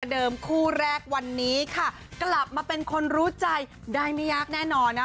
เดิมคู่แรกวันนี้ค่ะกลับมาเป็นคนรู้ใจได้ไม่ยากแน่นอนนะ